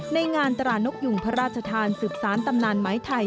ในงานตรานกยุงพระราชทานสืบสารตำนานไม้ไทย